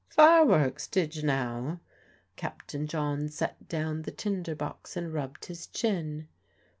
"Fireworks? Did you now?" Captain John set down the tinder box and rubbed his chin.